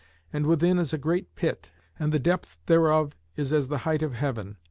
And within is a great pit, and the depth thereof is as the height of heaven.